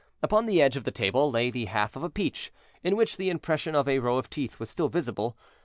Upon the edge of the table lay the half of a peach, in which the impression of a row of teeth was still visible.